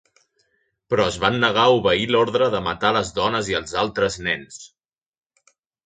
Però es van negar a obeir l'ordre de matar les dones i els altres nens.